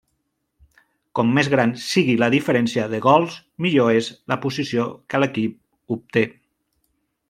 Com més gran sigui la diferència de gols, millor és la posició que l'equip obté.